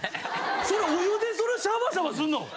それお湯でシャバシャバすんの！？